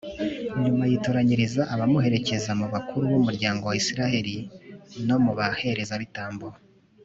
nyuma yitoranyiriza abamuherekeza mu bakuru b'umuryango wa israheli no mu baherezabitambo